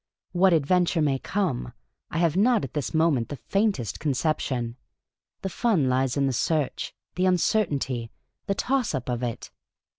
What adventure may come, I have not at this moment the faintest conception. The fun lies in the search, the uncertainty, the toss up of it.